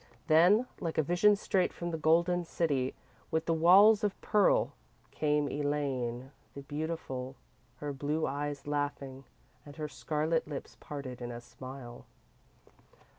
Then, like a vision straight from the golden city with the walls of pearl, came Elaine, the beautiful, her blue eyes laughing, and her scarlet lips parted in a smile.